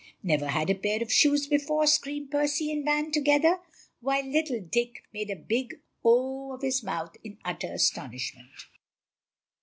"Never had a pair of shoes before," screamed Percy and Van together, while little Dick made a big O of his mouth in utter astonishment.